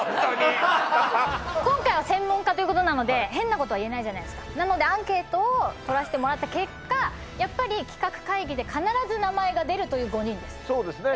今回は専門家ということなので変なことは言えないなのでアンケートを取らしてもらった結果やっぱり企画会議で必ず名前が出るという５人ですそうですね